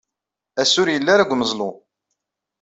Ass-a, ur yelli ara deg umeẓlu.